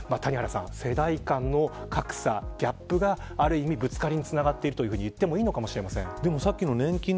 世代間の格差、ギャップがある意味ぶつかりにつながっていると言ってもいいかもしれません。